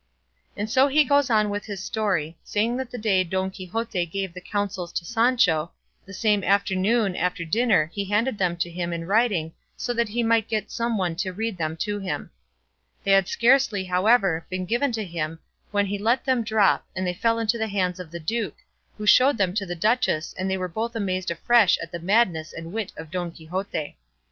And so he goes on with his story, saying that the day Don Quixote gave the counsels to Sancho, the same afternoon after dinner he handed them to him in writing so that he might get some one to read them to him. They had scarcely, however, been given to him when he let them drop, and they fell into the hands of the duke, who showed them to the duchess and they were both amazed afresh at the madness and wit of Don Quixote.